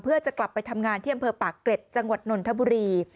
เพื่อจะกลับไปทำงานที่อำเภอปากเกร็ดจังหวัดนนทบุรี